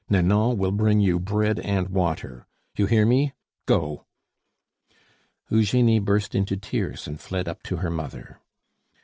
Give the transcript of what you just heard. Nanon will bring you bread and water. You hear me go!" Eugenie burst into tears and fled up to her mother.